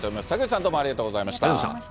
竹内さん、どうもありがとうございました。